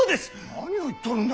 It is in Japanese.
何を言っとるんだ。